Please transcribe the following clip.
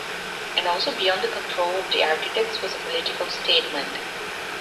And also beyond the control of the architects was a political statement.